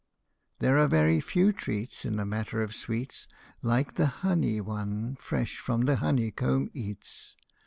[There are very few treats in the matter of sweets, Like the honey one fresh from the honeycomb eats.